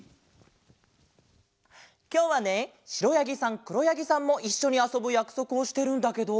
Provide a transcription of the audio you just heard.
きょうはねしろやぎさんくろやぎさんもいっしょにあそぶやくそくをしてるんだけど。